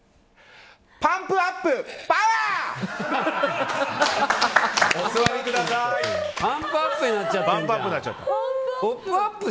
パンプアップ！